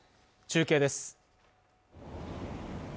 中継です。